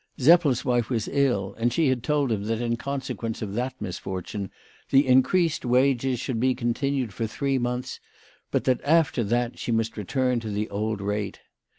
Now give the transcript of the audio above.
Seppel's wife was ill, and she had told him that in consequence of that misfortune the increased wages should be con tinued for three months, but that after that she must return to the old rate.